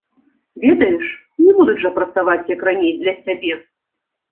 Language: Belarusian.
Ведаеш, не будуць жа працаваць, як раней для сябе.